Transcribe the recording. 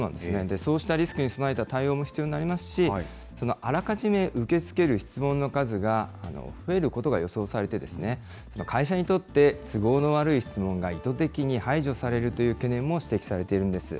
そうしたリスクに備えた対応も必要になりますし、あらかじめ受け付ける質問の数が増えることが予想されて、会社にとって都合の悪い質問が意図的に排除されるという懸念も指摘されているんです。